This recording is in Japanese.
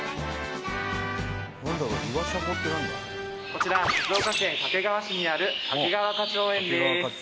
こちら静岡県掛川市にある掛川花鳥園です